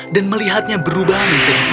dan melihatnya berubah menjadi burung bulu